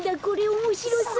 おもしろそう。